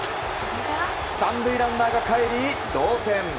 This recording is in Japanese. ３塁ランナーがかえり同点。